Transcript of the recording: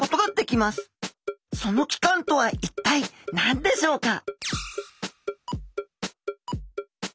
その器官とは一体何でしょうか？